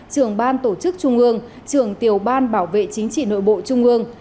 trưởng ban tổ chức trung ương trường tiểu ban bảo vệ chính trị nội bộ trung ương